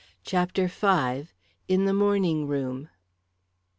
CHAPTER V. IN THE MORNING ROOM.